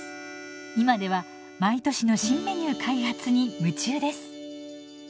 今では毎年の新メニュー開発に夢中です。